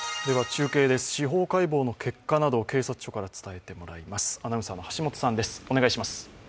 中継です、司法解剖の結果などを警察署から伝えてもらいます。